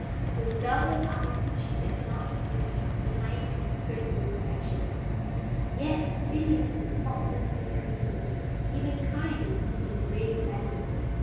Whose velvet eyes she dared not seek behind their curtaining lashes. Yet Stanief was faultlessly courteous, even kind in his grave manner.